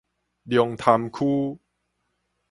龍潭區